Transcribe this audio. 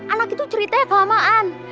anak itu ceritanya kelamaan